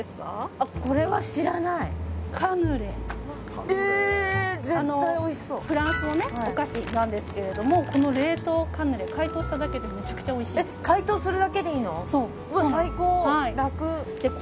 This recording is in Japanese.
あっこれは知らないえっ絶対おいしそうフランスのねお菓子なんですけれどもこの冷凍カヌレ解凍しただけでめちゃくちゃおいしいんですそうそうなんですうわ